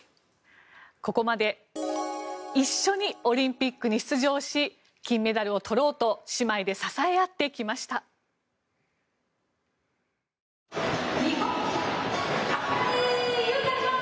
ここまで一緒にオリンピックに出場し金メダルをとろうと姉妹で支え合ってきました。